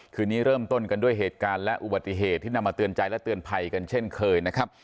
คืนนี้เริ่มต้นกันด้วยเหตุการณ์และอุบัติเหตุที่นำมาเตือนใจและเตือนภัยกันเช่นเคยนะครับ